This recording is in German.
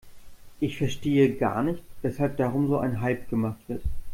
Ich verstehe gar nicht, weshalb darum so ein Hype gemacht wird.